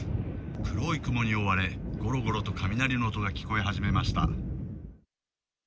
黒い雲に覆われ、ごろごろと雷の音が聞こえ始めました。